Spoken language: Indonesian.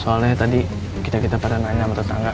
soalnya tadi kita kita para nanya sama tetangga